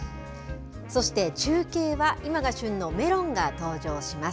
そして中継は、今が旬のメロンが登場します。